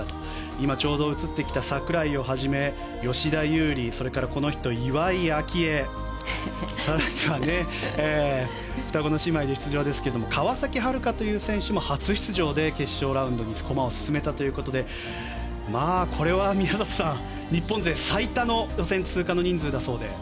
今、映ってきた櫻井をはじめ吉田優利、岩井明愛更には双子の姉妹で出場ですが川崎春花という選手も初出場で決勝ラウンドに駒を進めたということでまあ、これは宮里さん日本勢最多の予選通過の人数だそうで。